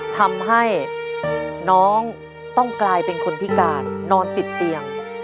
ทำให้น้องต้องกลายเป็นคนพิการนอนติดเตียง